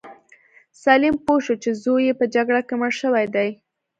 سلیم پوه شو چې زوی یې په جګړه کې مړ شوی دی.